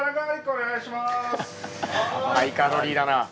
ハイカロリーだな。